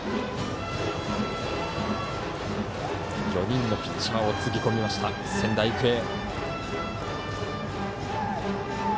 ４人のピッチャーをつぎ込みました、仙台育英。